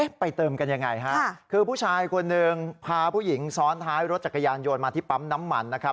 ไปเติมกันยังไงฮะคือผู้ชายคนหนึ่งพาผู้หญิงซ้อนท้ายรถจักรยานโยนมาที่ปั๊มน้ำมันนะครับ